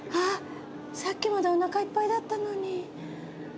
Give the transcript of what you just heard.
さっきまでおなかいっぱいだったのに。